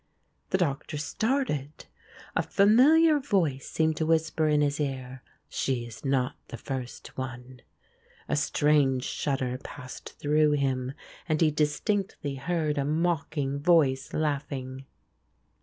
The Doctor started a familiar voice seemed to whisper in his ear: "She is not the first one." A strange shudder passed through him, and he distinctly heard a mocking voice laughing.